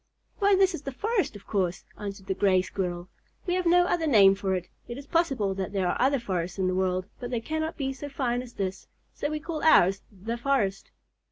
Why this is the forest, of course," answered the Gray Squirrel. "We have no other name for it. It is possible that there are other forests in the world, but they cannot be so fine as this, so we call ours 'the forest.'"